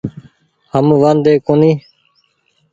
هم وآڌي ڪونيٚ ۔